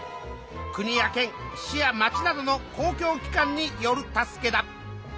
国や県市や町などの公共機関による助けだ。